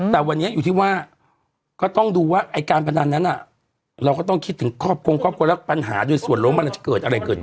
แต่วันนี้อยู่ที่ว่าก็ต้องดูว่าไอ้การพนันนั้นเราก็ต้องคิดถึงครอบครัวและปัญหาโดยส่วนล้มมันจะเกิดอะไรเกิดขึ้น